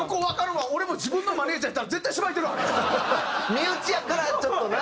身内やったらちょっとな。